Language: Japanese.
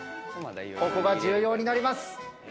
ここが重要になります。